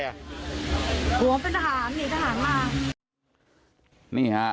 ผัวเขาเป็นทหารมีทหารมาก